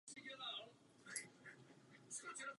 Lesy pokrývají čtvrtinu jeho území.